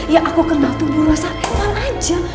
ya aku kenal tuh bu rosa emang aja